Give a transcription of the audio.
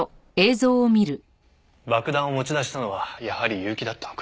爆弾を持ち出したのはやはり結城だったのか。